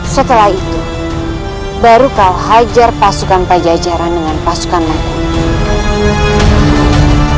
setelah itu baru kau hajar pasukan pajajaran dengan pasukan lainnya